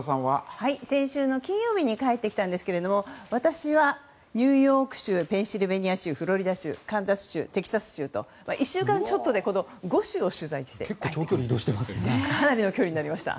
先週の金曜日に帰ってきたんですけれども私はニューヨーク州ペンシルベニア州、フロリダ州カンザス州、テキサス州と１週間ちょっとでこの５州を取材してきました。